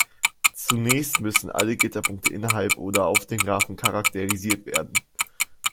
Zunächst müssen alle Gitterpunkte innerhalb oder auf dem Graphen charakterisiert werden.